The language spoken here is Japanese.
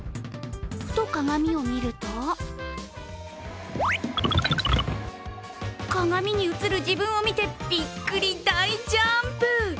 ふと鏡を見ると鏡に映る自分を見てびっくり大ジャンプ！